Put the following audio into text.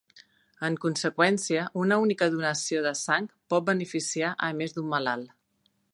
En conseqüència una única donació de sang pot beneficiar a més d'un malalt.